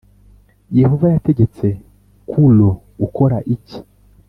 Yehova yategetse Kuro gukora iki